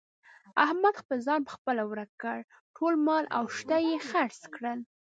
احمد خپل ځان په خپله ورک کړ. ټول مال او شته یې خرڅ کړل.